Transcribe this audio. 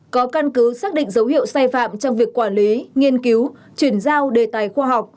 có căn cứ xác định dấu hiệu sai phạm trong việc quản lý nghiên cứu chuyển giao đề tài khoa học